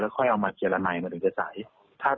แล้วค่อยเอามาเกลียรไหนมันก็จะใส